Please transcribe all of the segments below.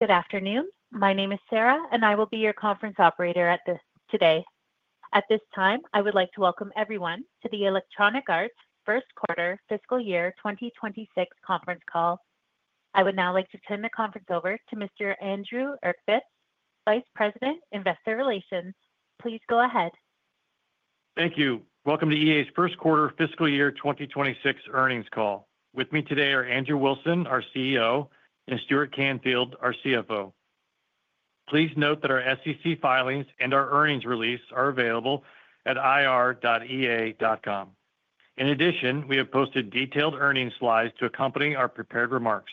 Good afternoon, my name is Sarah and I will be your conference operator today. At this time I would like to welcome everyone to the Electronic Arts first quarter fiscal year 2026 conference call. I would now like to turn the conference over to Mr. Andrew Uerkwitz, Vice President, Investor Relations. Please go ahead. Thank you. Welcome to EA's first quarter fiscal year 2026 earnings call. With me today are Andrew Wilson, our CEO, and Stuart Canfield, our CFO. Please note that our SEC filings and our earnings release are available at ir.ea.com. In addition, we have posted detailed earnings slides to accompany our prepared remarks.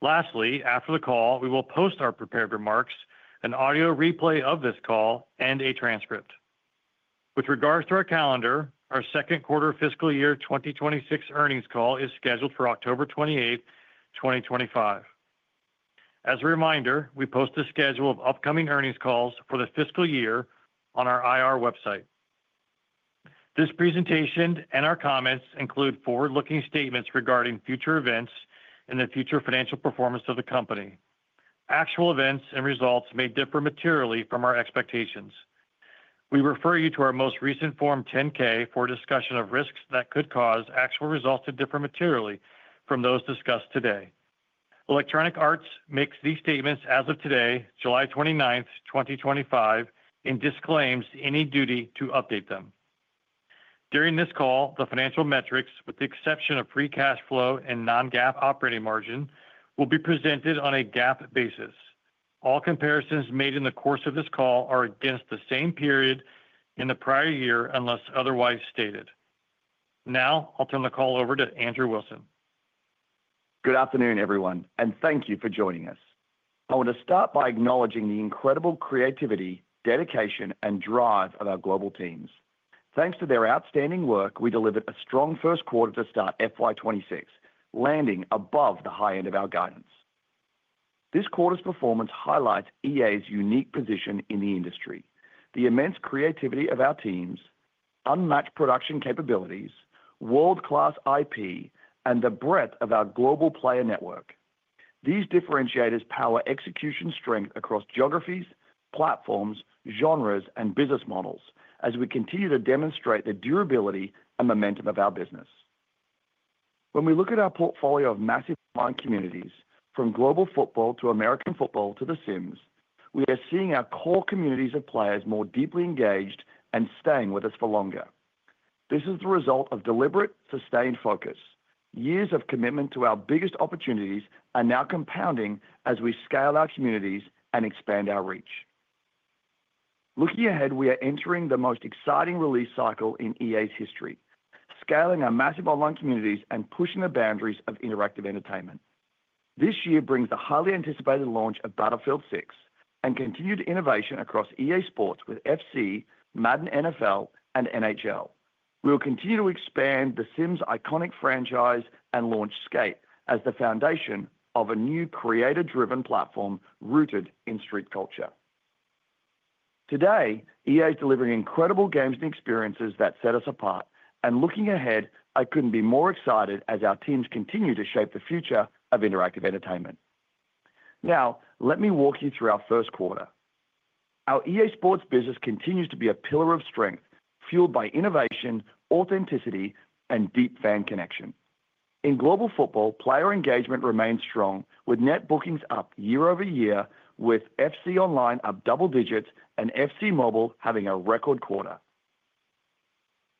Lastly, after the call we will post our prepared remarks, an audio replay of this call, and a transcript. With regards to our calendar, our second quarter fiscal year 2026 earnings call is scheduled for October 28, 2025. As a reminder, we post a schedule of upcoming earnings calls for the fiscal year on our IR website. This presentation and our comments include forward-looking statements regarding future events and the future financial performance of the company. Actual events and results may differ materially from our expectations. We refer you to our most recent Form 10K for a discussion of risks that could cause actual results to differ materially from those discussed today. Electronic Arts makes these statements as of today, July 29, 2025, and disclaims any duty to update them. During this call, the financial metrics, with the exception of free cash flow and non-GAAP operating margin, will be presented on a GAAP basis. All comparisons made in the course of this call are against the same period in the prior year unless otherwise stated. Now I'll turn the call over to Andrew Wilson. Good afternoon everyone and thank you for joining us. I want to start by acknowledging the incredible creativity, dedication and drive of our global teams. Thanks to their outstanding work, we delivered a strong first quarter to start FY26 landing above the high end of our guidance. This quarter's performance highlights EA's unique position in the industry, the immense creativity of our teams, unmatched production capabilities, world class IP and the breadth of our global player network. These differentiators power execution, strength across geographies, platforms, genres and business models as we continue to demonstrate the durability and momentum of our business. When we look at our portfolio of massive online communities from global football to American football to The Sims, we are seeing our core communities of players more deeply engaged and staying with us for longer. This is the result of deliberate, sustained focus. Years of commitment to our biggest opportunities are now compounding as we scale our communities and expand our reach. Looking ahead we are entering the most exciting release cycle in EA's history, scaling our massive online communities and pushing the boundaries of interactive entertainment. This year brings the highly anticipated launch of Battlefield 6 and continued innovation across EA Sports with FC, Madden NFL and NHL. We will continue to expand The Sims iconic franchise and launch Skate as the foundation of a new creator driven platform rooted in street culture. Today, EA is delivering incredible games and experiences that set us apart and looking ahead, I could not be more excited as our teams continue to shape the future of interactive entertainment. Now let me walk you through our first quarter. Our EA Sports business continues to be a pillar of strength fueled by innovation, authenticity and deep fan connection in global football. Player engagement remains strong with net bookings up year-over-year with FC Online up double digits and FC Mobile having a record quarter.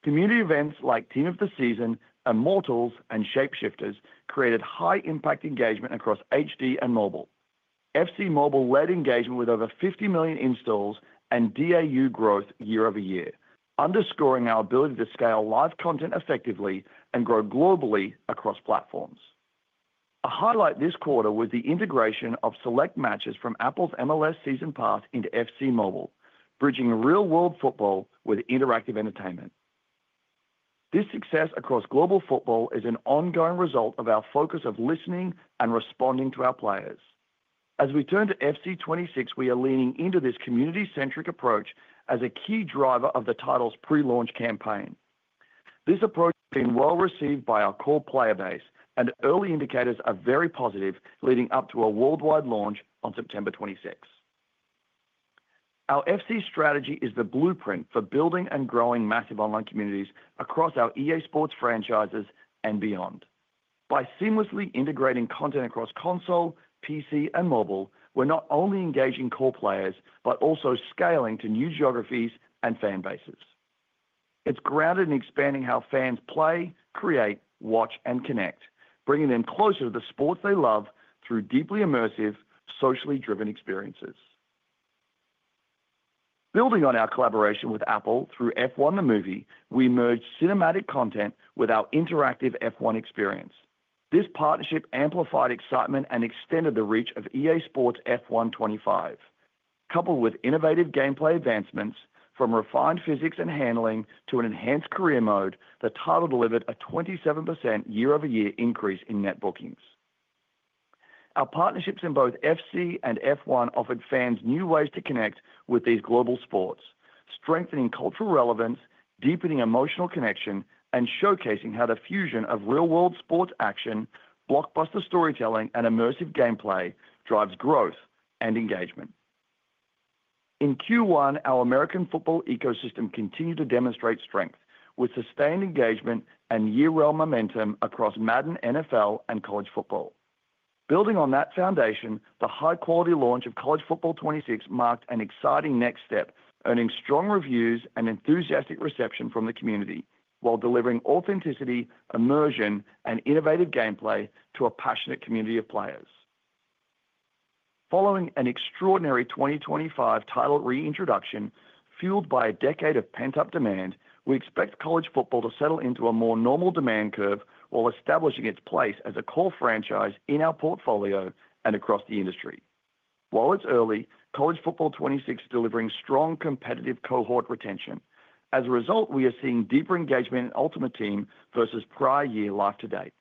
Community events like Team of the Season, Immortals and Shapeshifters created high impact engagement across HD and mobile. FC Mobile led engagement with over 50 million installs and DAU growth year-over-year, underscoring our ability to scale live content effectively and grow globally across platforms. A highlight this quarter was the integration of select matches from Apple's MLS Season Pass into FC Mobile, bridging real world football with interactive entertainment. This success across global football is an ongoing result of our focus of listening and responding to our players. As we turn to FC 26, we are leaning into this community centric approach as a key driver of the title's pre launch campaign. This approach has been well received by our core player base and early indicators are very positive leading up to a worldwide launch on September 26. Our FC strategy is the blueprint for building and growing massive online communities across our EA Sports franchises and beyond. By seamlessly integrating content across console, PC and mobile, we're not only engaging core players but also scaling to new geographies and fan bases. It's grounded in expanding how fans play, create, watch and connect, bringing them closer to the sports they love through deeply immersive, socially driven experiences. Building on our collaboration with Apple through F1 the Movie, we merged cinematic content with our interactive F1 experience. This partnership amplified excitement and extended the reach of EA Sports F1.25. Coupled with innovative gameplay advancements from refined physics and handling to an enhanced career mode, the title delivered a 27% year-over-year increase in net bookings. Our partnerships in both FC and F1 offered fans new ways to connect with these global sports, strengthening cultural relevance, deepening emotional connection and showcasing how the fusion of real world sports action, blockbuster storytelling and immersive gameplay drives growth and engagement in Q1, our American football ecosystem continued to demonstrate strength with sustained engagement and year round momentum across Madden NFL and college football. Building on that foundation, the high quality launch of College Football 26 marked an exciting next step, earning strong reviews and enthusiastic reception from the community while delivering authenticity, immersion and innovative gameplay to a passionate community of players. Following an extraordinary 2025 title reintroduction fueled by a decade of pent up demand, we expect college football to settle into a more normal demand curve while establishing its place as a core franchise in our portfolio and across the industry. While it's early, College Football 26 is delivering strong competitive cohort retention. As a result, we are seeing deeper engagement in ultimate team versus prior year life to date.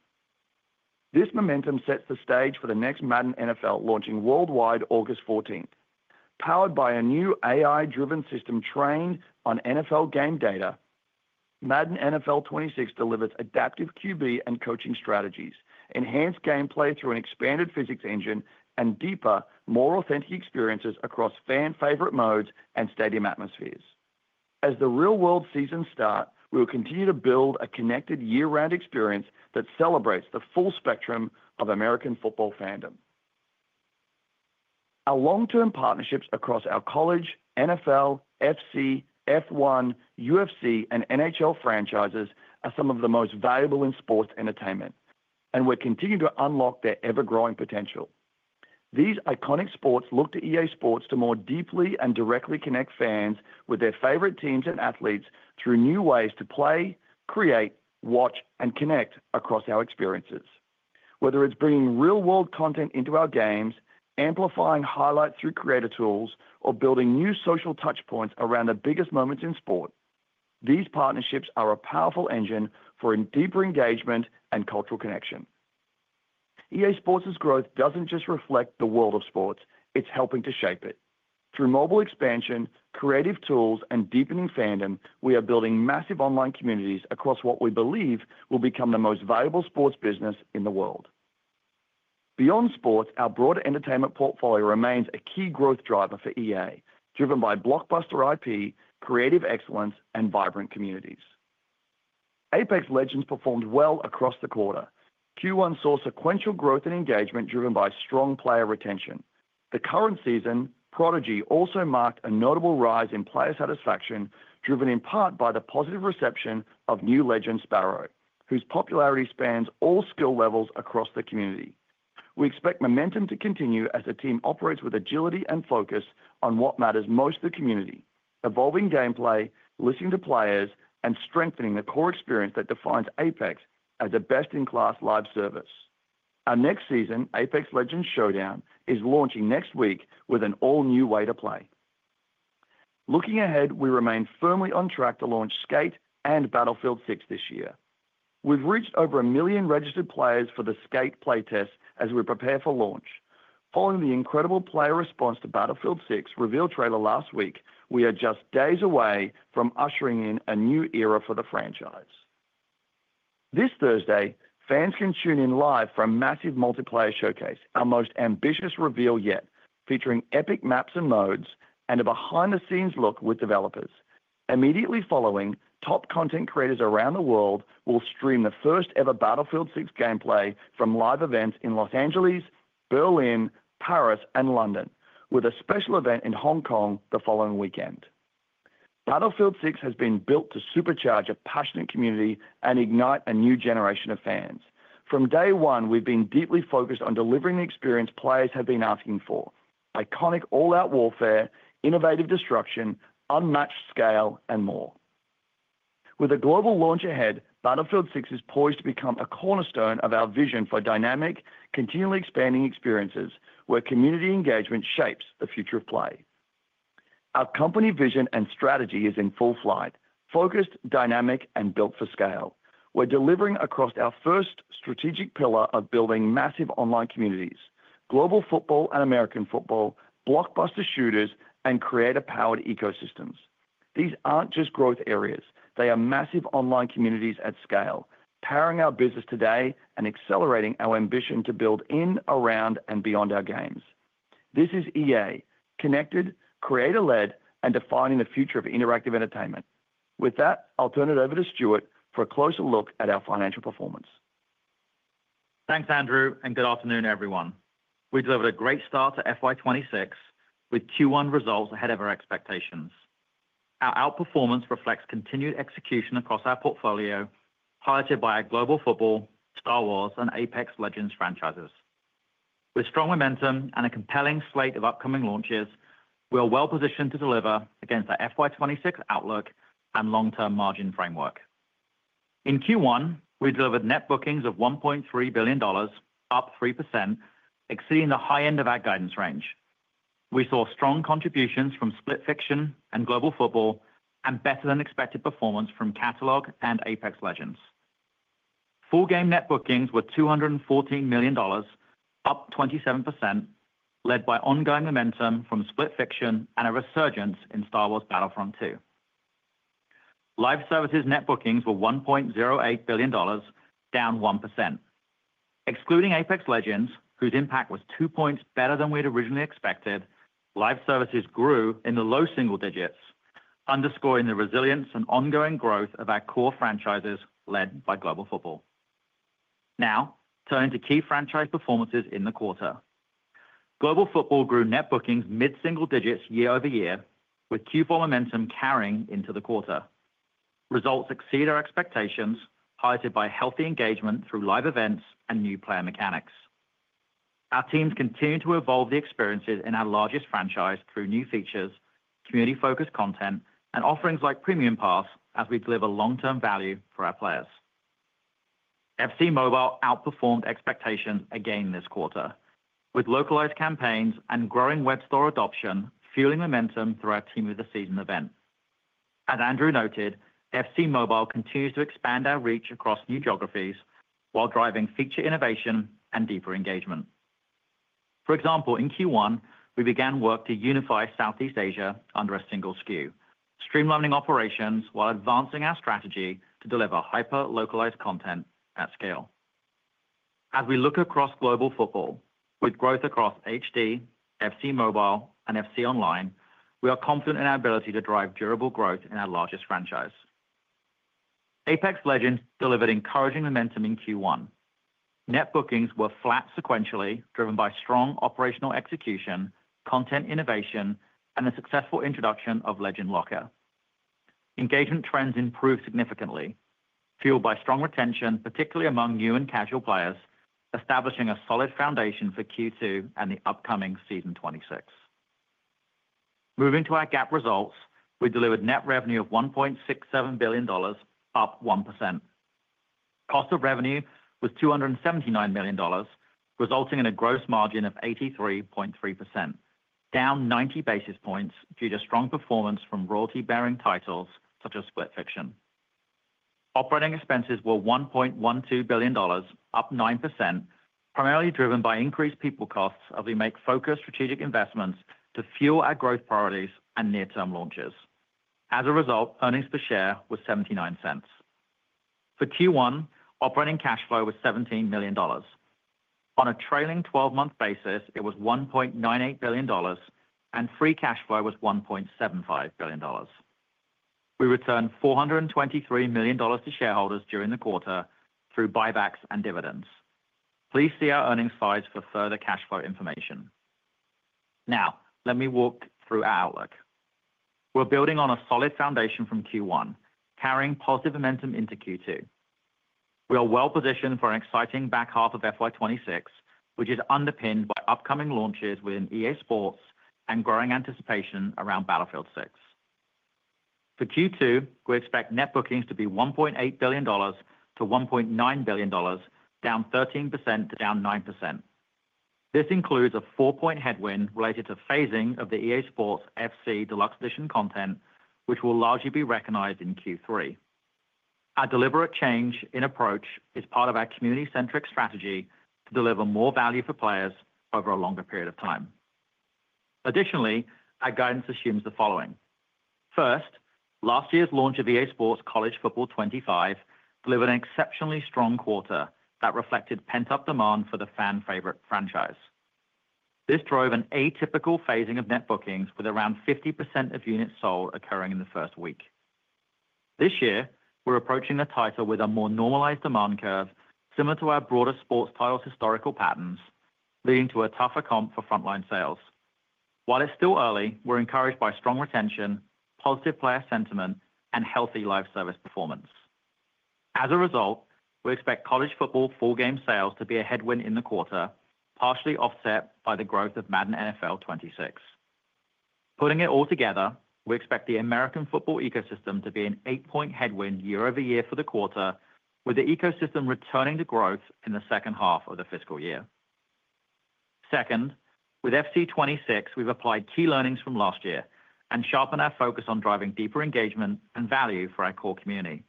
This momentum sets the stage for the next Madden NFL launching worldwide August 14. Powered by a new AI driven system trained on NFL game data, Madden NFL 26 delivers adaptive QB and coaching strategies, enhanced gameplay through an expanded physics engine and deeper, more authentic experiences across fan favorite modes and stadium atmospheres. As the real world season starts, we will continue to build a connected year round experience that celebrates the full spectrum of American football fandom. Our long term partnerships across our college, NFL, FC, F1, UFC and NHL franchises are some of the most valuable in sports entertainment and we continue to unlock their ever growing potential. These iconic sports look to EA Sports to more deeply and directly connect fans with their favorite teams and athletes through new ways to play, create, watch and connect across our experiences. Whether it's bringing real world content into our games, amplifying highlights through creator tools, or building new social touch points around the biggest moments in sport, these partnerships are a powerful engine for deeper engagement and cultural connection. EA Sports's growth doesn't just reflect the world of sports, it's helping to shape it. Through mobile expansion, creative tools and deepening fandom, we are building massive online communities across what we believe will become the most valuable sports business in the world. Beyond sports, our broader entertainment portfolio remains a key growth driver for EA. Driven by blockbuster IP, creative excellence and vibrant communities, Apex Legends performed well across the quarter. Q1 saw sequential growth and engagement driven by strong player retention. The current season Prodigy also marked a notable rise in player satisfaction, driven in part by the positive reception of new Legend Sparrow, whose popularity spans all skill levels across the community. We expect momentum to continue as the team operates with agility and focus on what matters most to the community, evolving gameplay, listening to players and strengthening the core experience that defines Apex as a best in class live service. Our next season Apex Legends Showdown is launching next week with an all new way to play. Looking ahead, we remain firmly on track to launch Skate and Battlefield 6. This year we've reached over a million registered players for the Skate playtest as we prepare for launch. Following the incredible player response to the Battlefield 6 reveal trailer last week, we are just days away from ushering in a new era for the franchise. This Thursday, fans can tune in live for a massive multiplayer showcase. Our most ambitious reveal yet, featuring epic maps and modes and a behind the scenes look with developers immediately following. Top content creators around the world will stream the first ever Battlefield 6 gameplay from live events in Los Angeles, Berlin, Paris and London with a special event in Hong Kong the following weekend. Battlefield 6 has been built to supercharge a passionate community and ignite a new generation of fans. From day one we've been deeply focused on delivering the experience players have been asking for. Iconic all out warfare, innovative destruction, unmatched scale and more. With a global launch ahead, Battlefield 6 is poised to become a cornerstone of our vision for dynamic, continually expanding experiences where community engagement shapes the future of play. Our company vision and strategy is in full flight, focused, dynamic and built for scale. We're delivering across our first strategic pillar of building massive online communities, global football and American football, blockbuster shooters and creative powered ecosystems. These aren't just growth areas, they are massive online communities at scale, powering our business today and accelerating our ambition to build in, around and beyond our games. This is EA connected, creator led and defining the future of interactive entertainment. With that, I'll turn it over to Stuart for a closer look at our financial performance. Thanks Andrew and good afternoon everyone. We delivered a great start to FY26 with Q1 results ahead of our expectations. Our outperformance reflects continued execution across our portfolio highlighted by our Global Football, Star Wars and Apex Legends franchises. With strong momentum and a compelling slate of upcoming launches, we are well positioned to deliver against our FY26 outlook and long term margin framework. In Q1 we delivered net bookings of $1.3 billion, up 3%, exceeding the high end of our guidance range. We saw strong contributions from Split Fiction and Global Football and better than expected performance from Catalog and Apex Legends. Full game net bookings were $214 million, up 27%, led by ongoing momentum from Split Fiction and a resurgence in Star Wars Battlefront 2 live services. Net bookings were $1.08 billion, down 1% excluding Apex Legends whose impact was 2% points better than we had originally expected. Live services grew in the low single digits, underscoring the resilience and ongoing growth of our core franchises led by Global Football. Now turning to key franchise performances in the quarter, Global Football grew net bookings mid single digits year-over-year with Q4 momentum carrying into the quarter. Results exceed our expectations highlighted by healthy engagement through live events and new player mechanics. Our teams continue to evolve the experiences in our largest franchise through new features, community focused content and offerings like Premium Pass as we deliver long term value for our players. FC Mobile outperformed expectations again this quarter with localized campaigns and growing web store adoption fueling momentum throughout Team of the Season event. As Andrew noted, FC Mobile continues to expand our reach across new geographies while driving feature innovation and deeper engagement. For example, in Q1 we began work to unify Southeast Asia under a single SKU, streamlining operations while advancing our strategy to deliver hyper localized content at scale as we look across Global Football. With growth across HD, FC Mobile and FC Online, we are confident in our ability to drive durable growth in our largest franchise. Apex Legends delivered encouraging momentum in Q1. Net bookings were flat, sequentially driven by strong operational execution, content innovation and the successful introduction of Legend Locker. Engagement trends improved significantly, fueled by strong retention, particularly among new and casual players, establishing a solid foundation for Q2 and the upcoming season 26. Moving to our GAAP results, we delivered net revenue of $1.67 billion, up 1%. Cost of revenue was $279 million, resulting in a gross margin of 83.3%, down 90 basis points due to strong performance from royalty bearing titles such as Split Fiction. Operating expenses were $1.12 billion, up 9%, primarily driven by increased people costs as we make focused strategic investments to fuel our growth priorities and near term launches. As a result, earnings per share was $0.79 for Q1. Operating cash flow was $17 million. On a trailing 12 month basis, it was $1.98 billion, and free cash flow was $1.75 billion. We returned $423 million to shareholders during the quarter through buybacks and dividends. Please see our earnings slides for further cash flow information. Now let me walk through our outlook. We're building on a solid foundation from Q1, carrying positive momentum into Q2. We are well positioned for an exciting back half of FY26, which is underpinned by upcoming launches within EA Sports and growing anticipation around Battlefield 6. For Q2, we expect net bookings to be $1.8 billion-$1.9 billion, down 13%-9%. This includes a four point headwind related to phasing of the EA Sports FC Deluxe Edition content, which will largely be recognized in Q3. Our deliberate change in approach is part of our community centric strategy to deliver more value for players over a longer period of time. Additionally, our guidance assumes the following: first, last year's launch of EA Sports College Football 25 delivered an exceptionally strong quarter that reflected pent up demand for the fan favorite franchise. This drove an atypical phasing of net bookings, with around 50% of units sold occurring in the first week. This year, we're approaching the title with a more normalized demand curve, similar to our broader sports title's historical patterns, leading to a tougher comp for frontline sales. While it's still early, we're encouraged by strong retention, positive player sentiment, and healthy live service performance. As a result, we expect College Football full game sales to be a headwind in the quarter, partially offset by the growth of Madden NFL 26. Putting it all together, we expect the American football ecosystem to be an eight point headwind year-over-year for the quarter, with the ecosystem returning to growth in the second half of the fiscal year. Second, with FC 26, we've applied key learnings from last year and sharpened our focus on driving deeper engagement and value for our core community.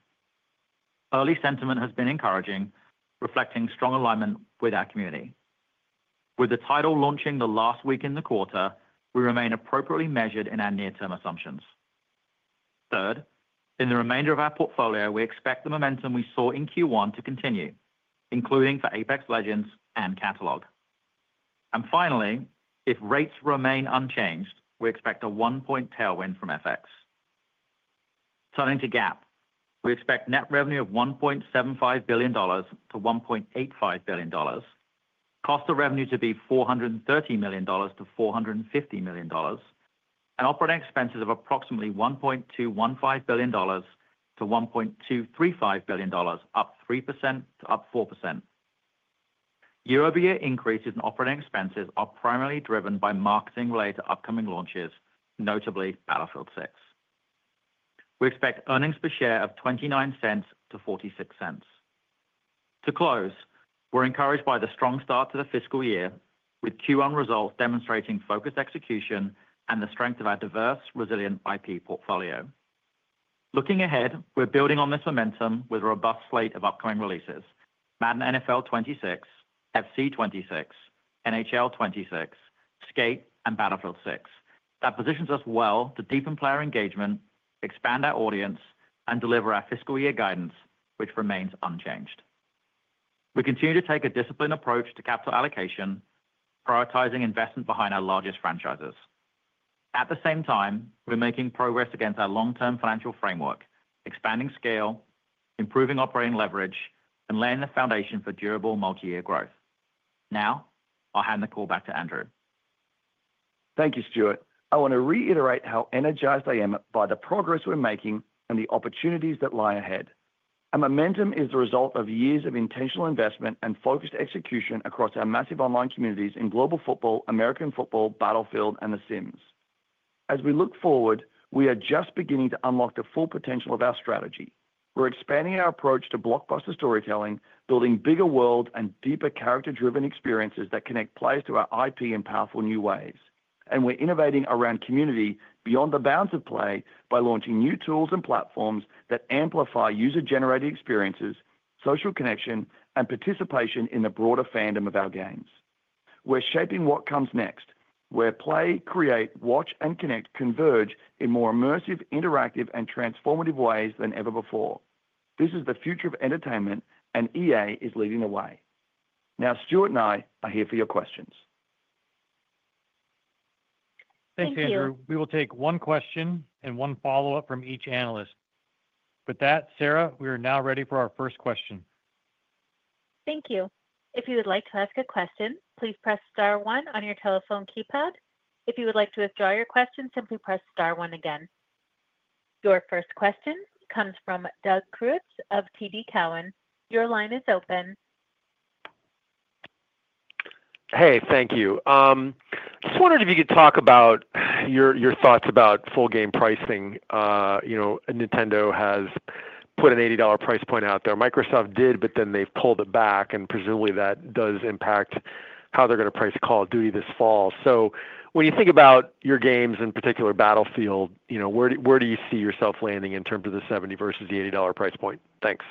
Early sentiment has been encouraging, reflecting strong alignment with our community. With the title launching the last week in the quarter, we remain appropriately measured in our near term assumptions. Third, in the remainder of our portfolio, we expect the momentum we saw in Q1 to continue, including for Apex Legends and Catalog. Finally, if rates remain unchanged, we expect a 1 point tailwind from FX. Turning to GAAP, we expect net revenue of $1.75 billion-$1.85 billion, cost of revenue to be $430 million-$450 million and operating expenses of approximately $1.215 billion-$1.235 billion, up 3% to up 4% year-over-year. Increases in operating expenses are primarily driven by marketing related upcoming launches, notably Battlefield 6. We expect earnings per share of $0.29-$0.46 to close. We're encouraged by the strong start to the fiscal year with Q1 results demonstrating focused execution and the strength of our diverse resilient IP portfolio. Looking ahead, we're building on this momentum with a robust slate of upcoming releases Madden NFL 26, FC 26, NHL 26, Skate and Battlefield 6. That positions us well to deepen player engagement, expand our audience and deliver our fiscal year guidance, which remains unchanged. We continue to take a disciplined approach to capital allocation, prioritizing investment behind our largest franchises. At the same time, we're making progress against our long term financial framework. Expanding scale, improving operating leverage and laying the foundation for durable multi year growth. Now I'll hand the call back to Andrew. Thank you, Stuart. I want to reiterate how energized I am by the progress we're making and the opportunities that lie ahead. Our momentum is the result of years of intentional investment and focused execution across our massive online communities in global football, American football, Battlefield, and The Sims. As we look forward, we are just beginning to unlock the full potential of our strategy. We're expanding our approach to blockbuster storytelling, building bigger worlds and deeper character-driven experiences that connect players to our IP in powerful new ways. We're innovating around community beyond the bounds of play. By launching new tools and platforms that amplify user-generated experiences, social connection, and participation in the broader fandom of our games, we're shaping what comes next, where play, create, watch, and connect converge in more immersive, interactive, and transformative ways than ever before. This is the future of entertainment, and EA is leading the way. Now, Stuart and I are here for your questions. Thanks Andrew. We will take one question and one follow up from each analyst. With that, Sarah, we are now ready for our first question. Thank you. If you would like to ask a question, please press Star one on your telephone keypad. If you would like to withdraw your question, simply press Star one again. Your first question comes from Doug Creutz of TD Cowen. Your line is open. Hey, thank you. Just wondered if you could talk about your thoughts about full game pricing Nintendo has put an $80 price point out there, Microsoft did but they've pulled it back and presume that does impact how they're going to price Call of Duty this fall. When you think about your games in particular Battlefield, where do you see yourself landing in terms of the $70 versus the $80 price point? Thanks.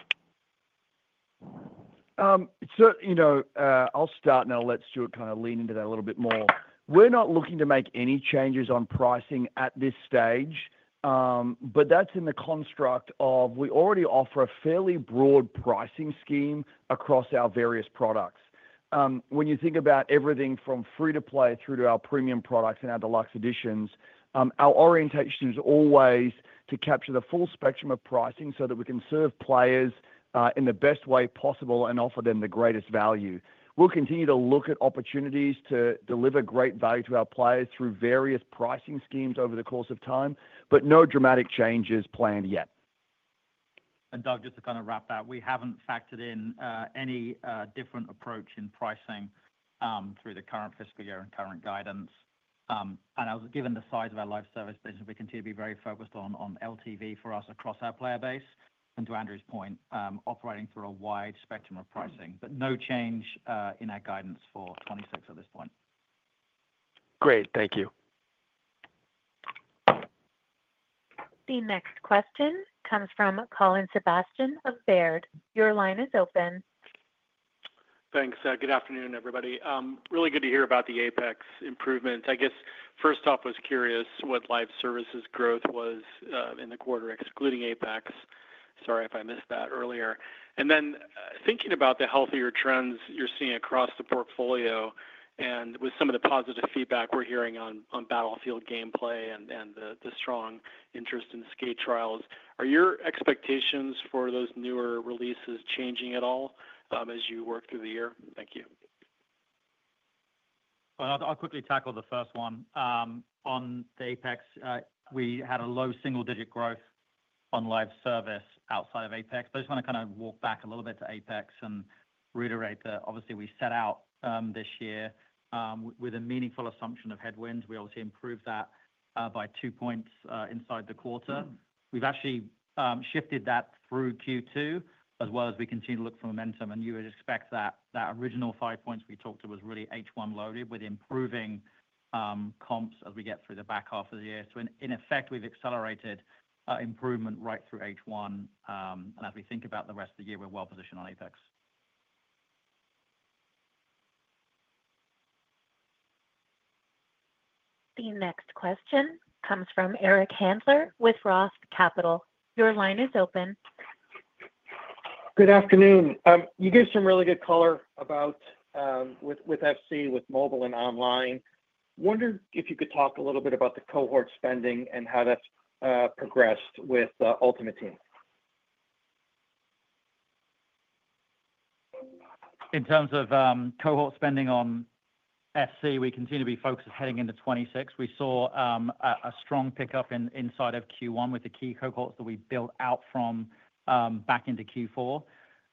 I'll start now. Let's do it. Kind of lean into that a little bit more. We're not looking to make any changes on pricing at this stage, but that's in the construct of we already offer a fairly broad pricing scheme across our various products. When you think about everything from free to play through to our premium products and our deluxe editions, our orientation is always to capture the full spectrum of pricing so that we can serve players in the best way possible and offer them the greatest value. We'll continue to look at opportunities to deliver great value to our players through various pricing schemes over the course of time, but no dramatic changes planned yet. Doug, just to kind of wrap that, we have not factored in any different approach in pricing through the current fiscal year and current guidance, and given the size of our live service business, we continue to be very focused on LTV for us across our player base, and to Andrew's point, operating through a wide spectrum of pricing, but no change in our guidance for 2026 at this point. Great, thank you. The next question comes from Colin Sebastian of Baird. Your line is open. Thanks. Good afternoon everybody. Really good to hear about the Apex improvement. I guess first off was curious what live services growth was in the quarter excluding Apex. Sorry if I missed that earlier. Then thinking about the healthier trends you're seeing across the portfolio and with some of the positive feedback we're hearing on Battlefield gameplay and the strong interest in Skate trials, are your expectations for those newer releases changing at all as you work through the year? Thank you. I'll quickly tackle the first one on the Apex. We had a low single digit growth on live service outside of Apex, but I just want to kind of walk back a little bit to Apex and reiterate that obviously we set out this year with a meaningful assumption of headwinds. We obviously improved that by 2 points inside the quarter. We've actually shifted that through Q2 as well as we continue to look for momentum and you would expect that that original five points we talked to was really H1 loaded with improving comps as we get through the back half of the year. In effect we've accelerated improvement right through H1 and as we think about the rest of the year, we're well positioned on Apex. The next question comes from Eric Handler with Roth Capital. Your line is open. Good afternoon, you gave some really good color with FC with mobile and online. Wonder if you could talk a little bit about the cohort spending and how that's progressed with Ultimate Team. In terms of cohort spending on FC, we continue to be focused. Heading into 26 we saw a strong pickup in inside of Q1 with the key cohorts that we built out from back into Q4.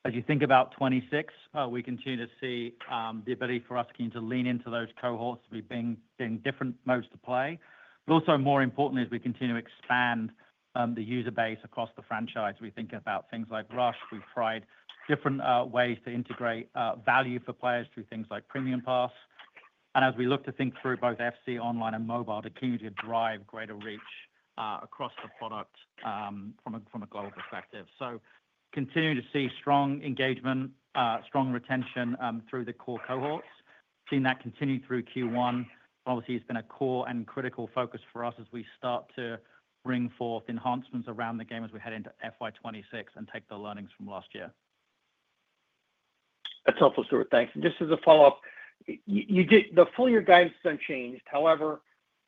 As you think about 26 we continue to see the ability for us keen to lean into those cohorts, we being in different modes to play. Also, more importantly as we continue to expand the user base across the franchise, we think about things like Rush. We've tried different ways to integrate value for players through things like Premium Pass. As we look to think through both FC Online and mobile to continue to drive greater reach across the product from a global perspective. Continue to see strong engagement, strong retention through the core cohorts, seen that continue through Q1. Obviously it's been a core and critical focus for us as we start to bring forth enhancements around the game as we head into FY26 and take the learnings from last year. That's helpful, Stuart, thanks. Just as a follow up, the full year guidance has unchanged. However,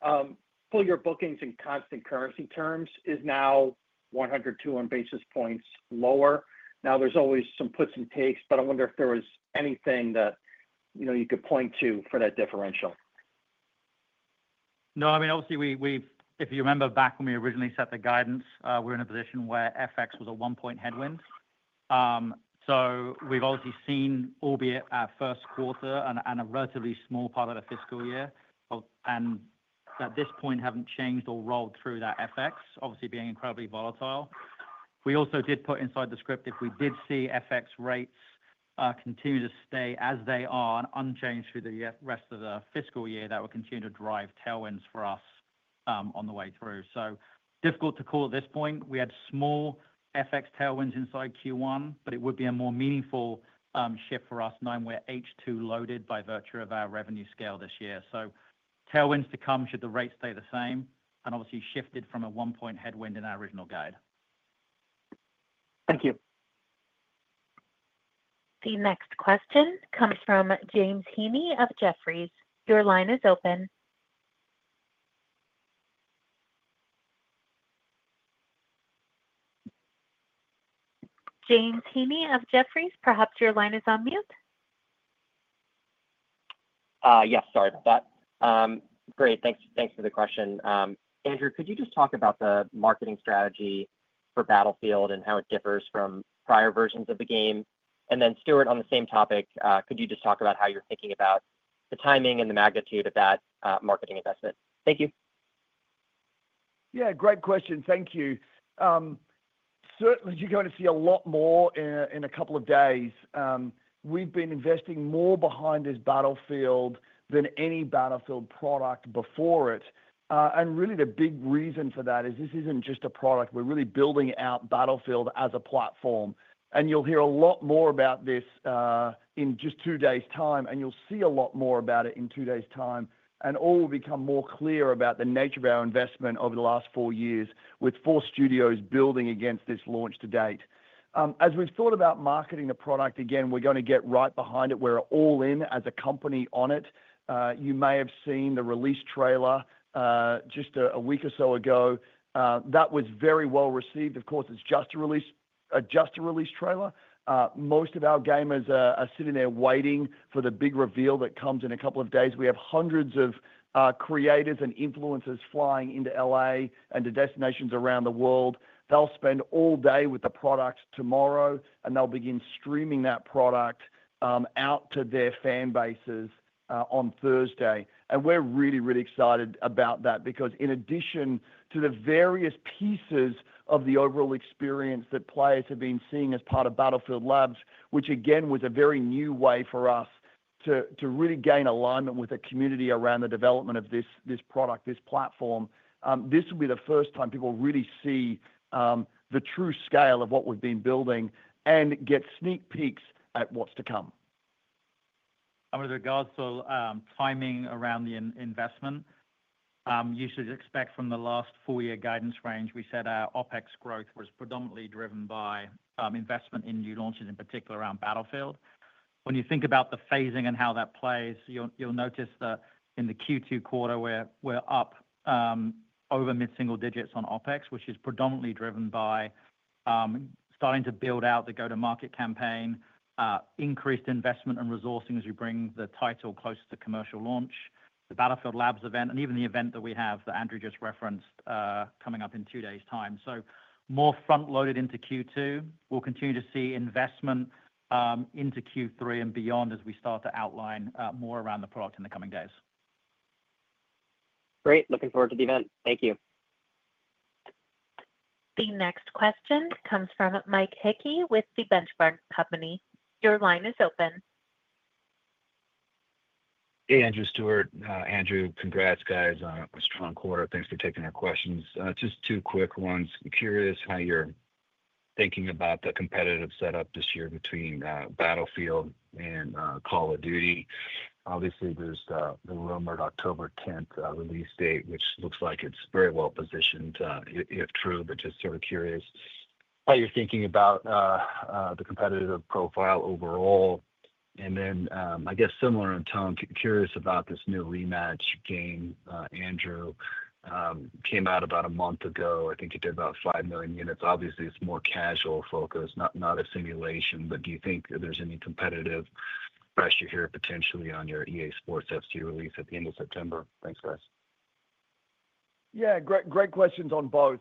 full year bookings in constant currency terms is now 121 basis points lower. Now there's always some puts and takes, but I wonder if there was anything that, you could point to for that differential. No, I mean, obviously we, we've, if you remember back when we originally set the guidance, we were in a position where FX was a 1% headwind. We've obviously seen, albeit our first quarter and a relatively small part of the fiscal year, and at this point haven't changed or rolled through that, FX obviously being incredibly volatile. We also did put inside the script if we did see FX rates continue to stay as they are unchanged through the rest of the fiscal year, that will continue to drive tailwinds for us on the way through. Difficult to call at this point. We had small FX tailwinds inside Q1, but it would be a more meaningful shift for us. We're H2 loaded by virtue of our revenue scale this year. Tailwinds to come, should the rate stay the same and obviously shifted from a 1% headwind in our original guide. Thank you. The next question comes from James Heaney of Jefferies. Your line is open. James Heaney of Jefferies, perhaps your line is on mute. Yes, sorry about that. Great, thanks for the question. Andrew, could you just talk about the marketing strategy for Battlefield and how it differs from prior versions of the game? Stuart, on the same topic, could you just talk about how you're thinking about the timing and the magnitude of that marketing investment? Thank you. Great question. Thank you. Certainly you're going to see a lot more in a couple of days. We've been investing more behind this Battlefield than any Battlefield product before it. The big reason for that is this isn't just a product. We're really building out Battlefield as a platform and you'll hear a lot more about this in just two days time and you'll see a lot more about it in two days time and all will become more clear about the nature of our investment over the last four years. With four studios building against this launch to date. As we've thought about marketing the product again, we're going to get right behind it. We're all in as a company on it. You may have seen the release trailer just a week or so ago. That was very well received. Of course, it's just a release, just a release trailer. Most of our gamers are sitting there waiting for the big reveal that comes in a couple of days. We have hundreds of creators and influencers flying into Los Angeles and the destinations around the world. They'll spend all day with the product tomorrow and they'll begin streaming that product out to their fan bases on Thursday. We're really, really excited about that because in addition to the various pieces of the overall experience that players have been seeing as part of Battlefield Labs, which again was a very new way for us to really gain alignment with the community around the development of this product, this platform. This will be the first time people really see the true scale of what we've been building and get sneak peeks at what's to come. With regards to timing around the investment, you should expect from the last full year guidance range. We said our OpEx growth was predominantly driven by investment in new launches, in particular around Battlefield. When you think about the phasing and how that plays, you'll notice that in the Q2 quarter where we're up over mid single digits on OpEx, which is predominantly driven by starting to build out the go to market campaign, increased investment and resources, we bring the title close to commercial launch, the Battlefield Labs event and even the event that we have that Andrew just referenced coming up in two days time. More front loaded into Q2. We'll continue to see investment into Q3 and beyond as we start to outline more around the product in the coming days. Looking forward to the event. Thank you. The next question comes from Mike Hickey with The Benchmark Company. Your line is open. Hey, Andrew, Stuart. Andrew, congrats guys on a strong quarter. Thanks for taking our questions. Just two quick ones. Curious how you're thinking about the competitive setup this year between Battlefield and Call of Duty. Obviously there's the rumored October 10th release date which looks like it's very well positioned if true. Just sort of curious how you're thinking about the competitive profile overall and then I guess similar in tone. Curious about this new Rematch game, Andrew. Came out about a month ago, I think it did about 5 million units, obviously it's more casual focus, not a simulation. Do you think there's any competitive pressure here potentially on your EA Sports FC release at the end of September. Thanks, guys. Great questions on both.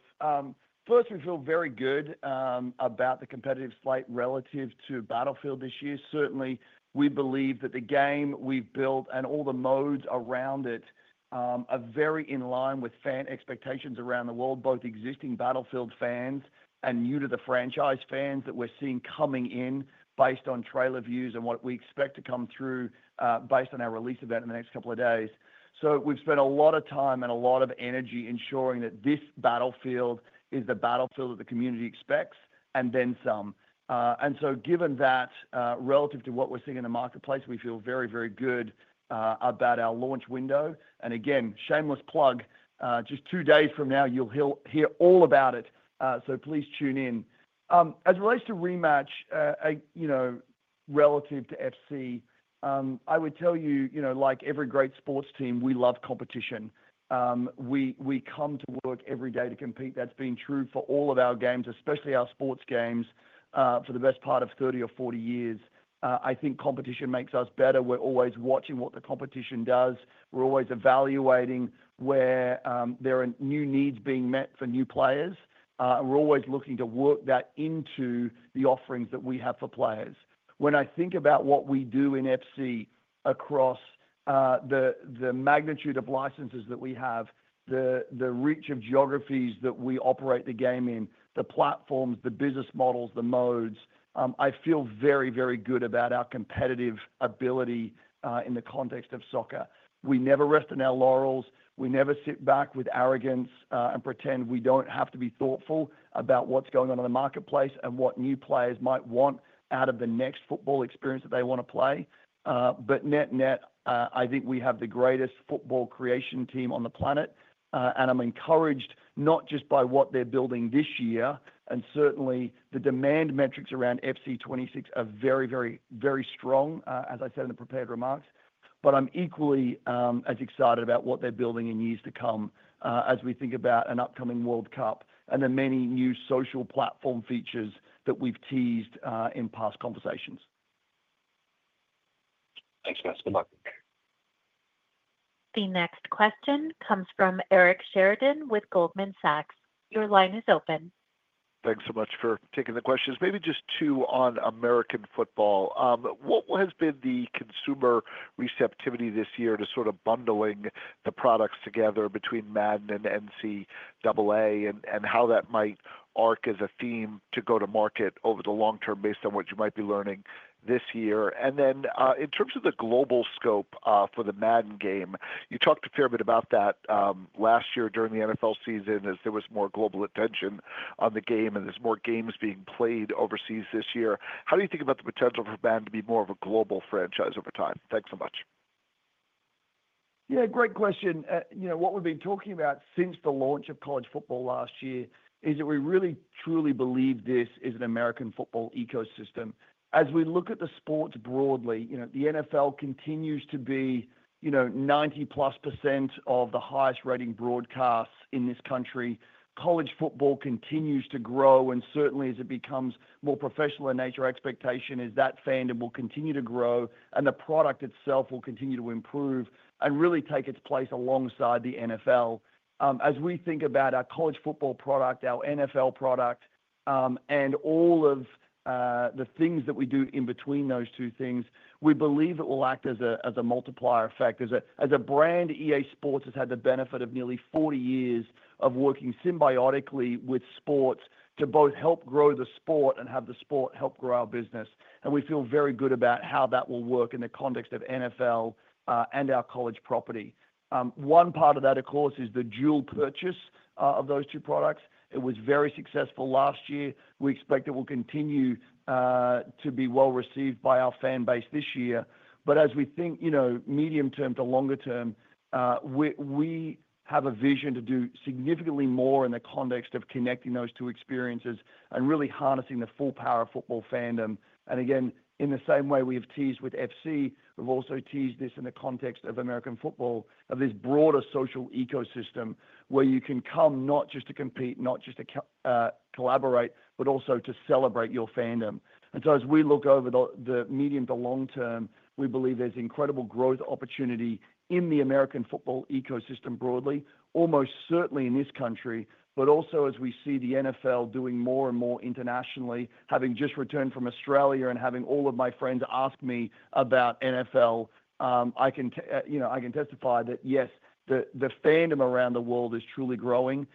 First, we feel very good about the competitive slate relative to Battlefield this year. Certainly we believe that the game we've built and all the modes around it are very in line with fan expectations around the world, both existing Battlefield fans and new to the franchise fans that we're seeing coming in, based on trailer views and what we expect to come through based on our release event in the next couple of days. We have spent a lot of time and a lot of energy ensuring that this Battlefield is the Battlefield that the community expects and then some. Given that relative to what we're seeing in the marketplace, we feel very, very good about our launch window. Again, shameless plug, just two days from now, you'll hear all about it. Please tune in. As it relates to Rematch relative to FC, I would tell you, like every great sports team, we love competition. We come to work every day to compete. That's been true for all of our games, especially our sports games, for the best part of 30 or 40 years. I think competition makes us better. We're always watching what the competition does. We're always evaluating where there are new needs being met for new players. We're always looking to work that into the offerings that we have for players. When I think about what we do in FC across the magnitude of licenses that we have, the reach of geographies that we operate the game in, the platforms, the business models, the modes, I feel very, very good about our competitive ability in the context of soccer. We never rest on our laurels. We never sit back with arrogance and pretend we don't have to be thoughtful about what's going on in the marketplace and what new players might want out of the next football experience that they want to play. Net net, I think we have the greatest football creation team on the planet. I'm encouraged not just by what they're building this year. Certainly the demand metrics around FC 26 are very, very, very strong, as I said in the prepared remarks. I'm equally as excited about what they're building in years to come as we think about an upcoming World Cup and the many new social platform features that we've teased in past conversations. Thanks, guys. Good luck. The next question comes from Eric Sheridan with Goldman Sachs. Your line is open. Thanks so much for taking the questions. Maybe just two. On American football, what has been the consumer receptivity this year to sort of bundling the products together between Madden and NCAA and how that might arc as a theme to go to market over the long term based on what you might be learning this year. In terms of the global scope for the Madden game, you talked a fair bit about that last year during the NFL season, as there was more global attention on the game and there are more games being played overseas this year. How do you think about the potential for Madden to be more of a global franchise over time? Thanks so much. Great question. What we have been talking about since the launch of college football last year is that we really truly believe this is an American football ecosystem. As we look at the sports broadly, the NFL continues to be 90+% of the highest rating broadcasts in this country. College football continues to grow, and certainly as it becomes more professional in nature, expectation is that fandom will continue to grow and the product itself will continue to improve and really take its place alongside the NFL. As we think about our college football product, our NFL product, and all of the things that we do in between those two things, we believe it will act as a multiplier effect, as a brand. EA Sports has had the benefit of nearly 40 years of working symbiotically with sports to both help grow the sport and have the sport help grow our business. We feel very good about how that will work in the context of NFL and our college property. One part of that, of course, is the dual purchase of those two products. It was very successful last year. We expect it will continue to be well received by our fan base this year. As we think medium term to longer term, we have a vision to do significantly more in the context of connecting those two experiences and really harnessing the full power of football fandom. Again, in the same way we have teased with FC, we have also teased this in the context of American football, of this broader social ecosystem where you can come not just to compete, not just to collaborate, but also to celebrate your fandom. As we look over the medium to long term, we believe there is incredible growth opportunity in the American football ecosystem broadly, almost certainly in this country, but also as we see the NFL doing more and more internationally. Having just returned from Australia and having all of my friends ask me about NFL, I can testify that yes, the fandom around the world is truly growing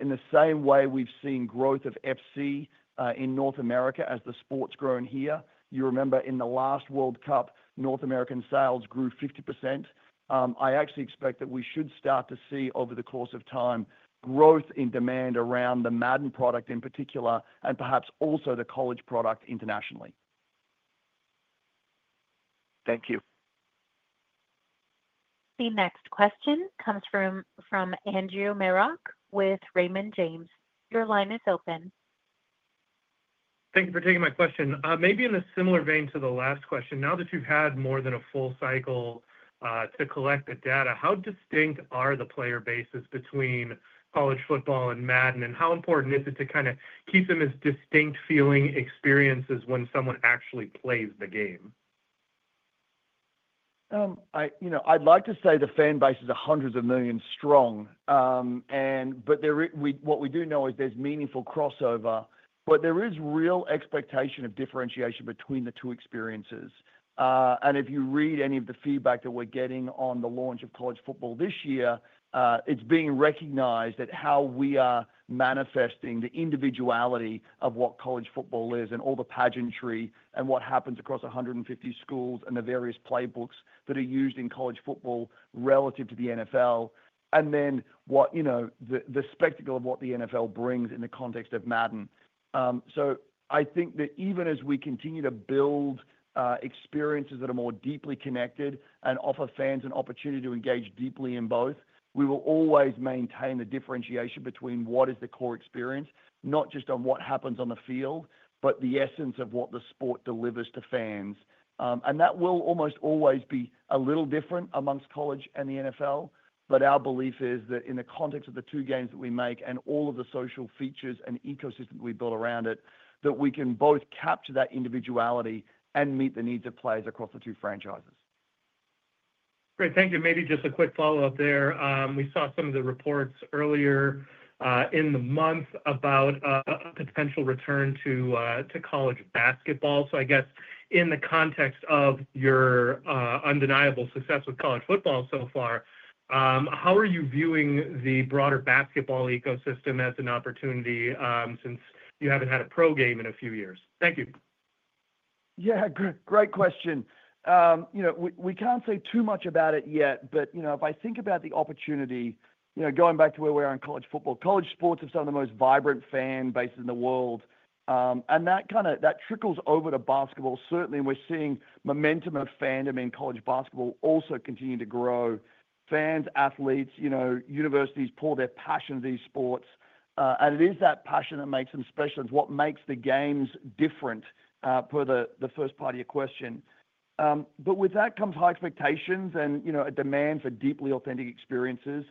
in the same way we have seen growth of FC in North America as the sport has grown here. You remember in the last World Cup North American sales grew 50%. I actually expect that we should start to see over the course of time growth in demand around the Madden product in particular and perhaps also the college product internationally. Thank you. The next question comes from Andrew Marok with Raymond James. Your line is open. Thank you for taking my question. Maybe in a similar vein to the last question, now that you've had more than a full cycle to collect the data. How distinct are the player bases between College Football and Madden and how important is it to kind of keep them as distinct feeling experiences when someone actually plays the game? I'd like to say the fan base is a hundreds of millions strong. What we do know is there's meaningful crossover, but there is real expectation of differentiation between the two experiences. If you read any of the feedback that we're getting on the launch of college football this year, it's being recognized that how we are manifesting the individuality of what college football is and all the pageantry and what happens across 150 schools and the various playbooks that are used in college football relative to the NFL, and then what the spectacle of what the NFL brings in the context of Madden. I think that even as we continue to build experiences that are more deeply connected and offer fans an opportunity to engage deeply in both, we will always maintain the differentiation between what is the core experience, not just on what happens on the field, but the essence of what the sport delivers to fans. That will almost always be a little different amongst college and the NFL. Our belief is that in the context of the two games that we make and all of the social features and ecosystem we build around it, we can both capture that individuality and meet the needs of players across the two franchises. Great, thank you, maybe just a quick follow up there. We saw some of the reports earlier in the month about a potential return to college basketball. I guess in the context of your undeniable success with college football so far, how are you viewing the broader basketball ecosystem as an opportunity since you haven't had a pro game in a few years? Thank you. Great question. We can't say too much about it yet, but if I think about the opportunity going back to where we are in college football, college sports have some of the most vibrant fan bases in the world and that kind of, that trickles over to basketball. Certainly we're seeing momentum and fandom in college basketball also continue to grow. Fans, athletes universities pour their passion into these sports. And it is that passion that makes them special. It's what makes the games different, per the first part of your question. With that comes high expectations and a demand for deeply authentic experiences.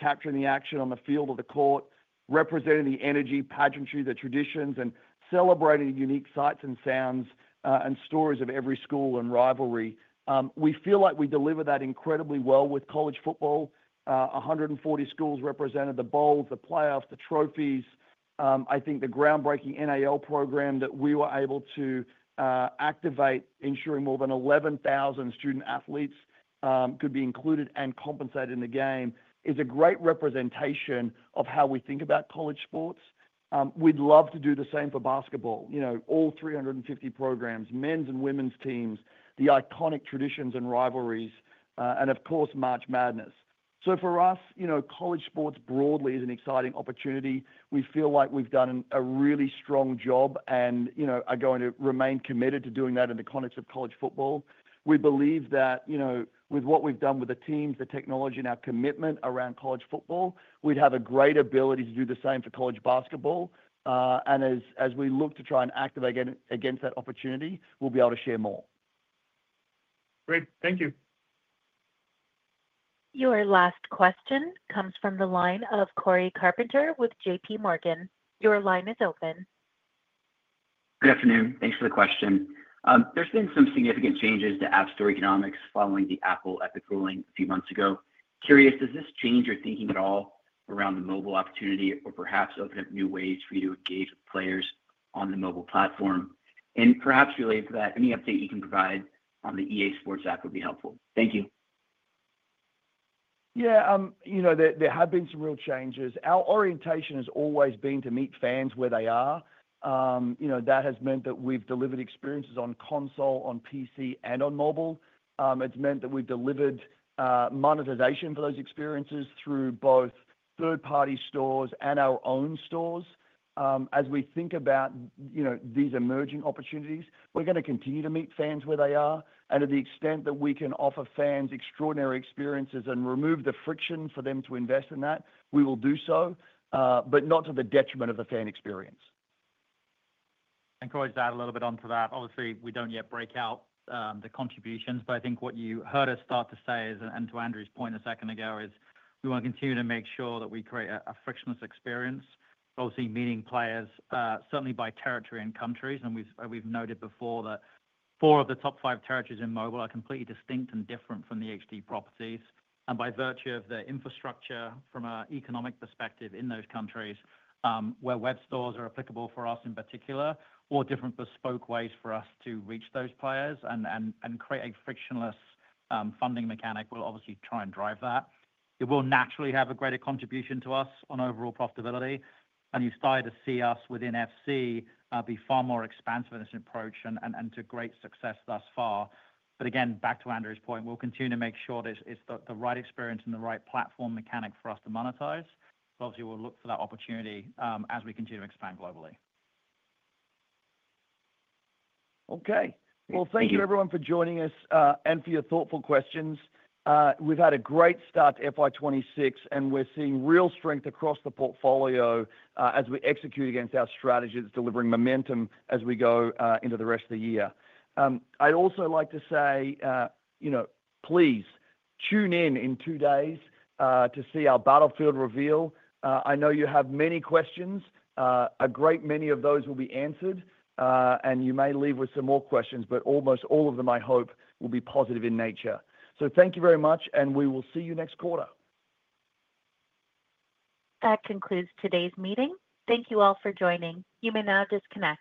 Capturing the action on the field or the court, representing the energy, pageantry, the traditions, and celebrating unique sights and sounds and stories of every school and rivalry. We feel like we deliver that incredibly well with college football. One hundred forty schools represented, the bowls, the playoffs, the trophies. I think the groundbreaking NIL program that we were able to activate, ensuring more than 11,000 student athletes could be included and compensated in the game is a great representation of how we think about college sports. We'd love to do the same for basketball. All 350 programs, men's and women's teams, the iconic traditions and rivalries, and of course, March Madness. For us, college sports broadly is an exciting opportunity. We feel like we've done a really strong job, and are going to remain committed to doing that in the context of college football. We believe that with what we've done with the teams, the technology and our commitment around college football, we'd have a great ability to do the same for college basketball. As we look to try and activate against that opportunity, we will be able to share more. Great, thank you. Your last question comes from the line of Cory Carpenter with J.P. Morgan. Your line is open. Good afternoon. Thanks for the question. There's been some significant changes to App Store economics following the Apple Epic ruling a few months ago. Curious. Does this change your thinking at all around the mobile opportunity or perhaps open up new ways for you to engage with players on the mobile platform? Perhaps related to that, any update you can provide on the EA Sports App would be helpful. Thank you. There have been some real changes. Our orientation has always been to meet fans where they are, that has meant that we've delivered experiences on console, on PC and on mobile. It's meant that we've delivered monetization for those experiences through both third party stores and our own stores. As we think about, these emerging opportunities, we're going to continue to meet fans where they are. To the extent that we can offer fans extraordinary experiences and remove the friction for them to invest in that, we will do so, but not to the detriment of the fan experience. Encourage that a little bit onto that. Obviously we do not yet break out the contributions, but I think what you heard us start to say is, and to Andrew's point, a second ago is we want to continue to make sure that we create a frictionless experience, obviously meeting players certainly by territory and countries, and we have noted before that four of the top five territories in mobile are completely distinct and different from the HD properties and by virtue of the infrastructure. From an economic perspective in those countries where web stores are applicable for us in particular, or different bespoke ways for us to reach those players and create a frictionless funding mechanic, we will obviously try and drive that. It will naturally have a greater contribution to us on overall profitability and you start to see us within FC be far more expansive in this approach and to great success thus far. Again, back to Andrew's point, we will continue to make sure that it is the right experience and the right platform mechanic for us to monetize. Obviously we will look for that opportunity as we continue to expand globally. Okay, well thank you everyone for joining us and for your thoughtful questions. We've had a great start to FY26 and we're seeing real strength across the portfolio as we execute against our strategy. That's delivering momentum as we go into the rest of the year. I'd also like to say, please tune in in two days to see our Battlefield reveal. I know you have many questions, a great many of those will be answered and you may leave with some more questions, but almost all of them, I hope, will be positive in nature. Thank you very much and we will see you next quarter. That concludes today's meeting. Thank you all for joining. You may now disconnect.